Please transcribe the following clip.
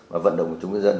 và vận động của chúng dân